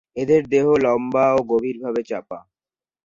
এদের দেহ লম্বা ও গভীরভাবে চাপা।